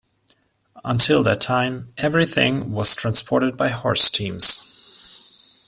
Until that time, everything was transported by horse teams.